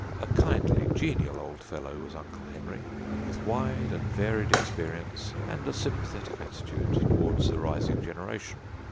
A kindly, genial old fellow was "Uncle Henry," with wide and varied experience, and a sympathetic attitude towards the rising generation.